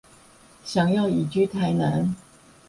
想要移居台南